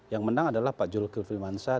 yang menang adalah pak zulkifli mansat